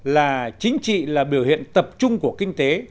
là chính trị là biểu hiện tập trung của kinh tế